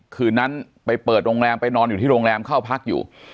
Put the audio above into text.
คืนนั้นไปเปิดโรงแรมไปนอนอยู่ที่โรงแรมเข้าพักอยู่